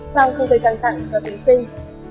sau không gây căng thẳng cho thí sinh